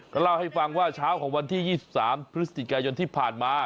ก็เล่าให้ฟังว่าเช้าของวันที่๒๓พฤศจิกายนที่ผ่านมา